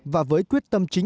và với quyết tâm chính